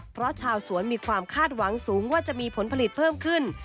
เพราะชาวสวนมีความคาดหวังสูงว่าจะมีผลผลิตเพิ่มขึ้น